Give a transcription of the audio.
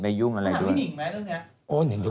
ถามที่นิ่งไหมแล้วเนี่ย